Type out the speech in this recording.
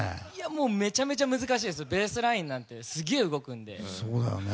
めちゃめちゃ難しいですベースラインなんてすげえ動くので。